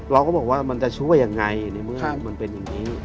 เราก็บอกว่ามันจะช่วยยังไงในเมื่อมันเป็นอย่างนี้